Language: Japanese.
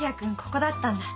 ここだったんだ。